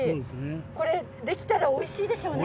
これできたらおいしいでしょうね。